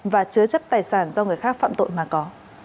và chứa chấp tài sản do người khác phạm tội mà có